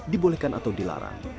dibolehkan atau dilarang